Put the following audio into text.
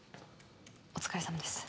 お疲れさまです